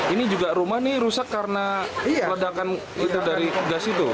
ini juga rumah rusak karena ledakan dari gas itu